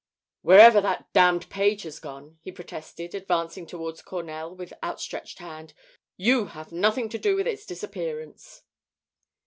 "Wherever that damned page has gone," he protested, advancing towards Cornell with outstretched hand, "you have nothing to do with its disappearance."